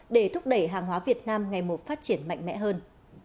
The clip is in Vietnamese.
để thúc đẩy hàng hóa việt nam ngày một phát triển mạnh mẽ hơn